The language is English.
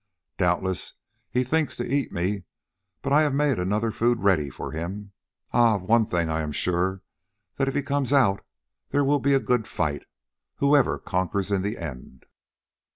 "Doubtless he thinks to eat me, but I have made another food ready for him. Ah! of one thing I am sure, that if he comes out there will be a good fight, whoever conquers in the end."